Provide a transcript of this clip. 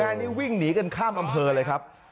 นี้วิ่งหนีกันข้ามอำเภอเลยครับ